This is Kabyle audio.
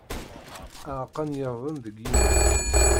Aɛeqqa n yirden deg yimi.